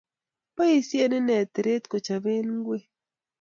Boisie ine teret ko chopee ngwek